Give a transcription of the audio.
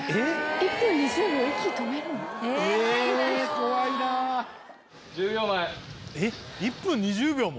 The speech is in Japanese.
１分２０秒も？